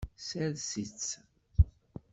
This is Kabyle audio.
Sers-itt.